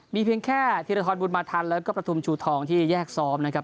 มีเพียงแค่ธีรทรบุญมาทันแล้วก็ประทุมชูทองที่แยกซ้อมนะครับ